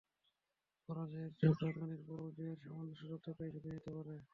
পরাজয়ের চোখ রাঙানির পরও জয়ের সামান্য সুযোগ থাকলেই ঝুঁকি নিতে পারে।